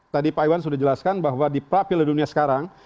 tadi pak iwan sudah jelaskan bahwa di prapel dunia sekarang